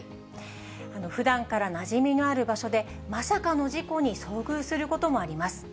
ふだんからなじみのある場所で、まさかの事故に遭遇することもあります。